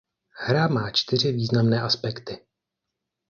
Hra má čtyři významné aspekty.